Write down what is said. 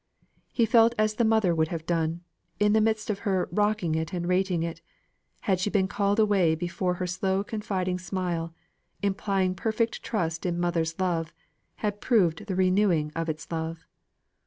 He felt as the mother would have done, in the midst of "her rocking it, and rating it," had she been called away before her slow confiding smile, implying perfect trust in mother's love, had proved the renewing of its love.